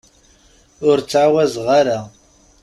Ur ttɛawazeɣ ara.